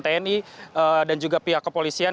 tni dan juga pihak kepolisian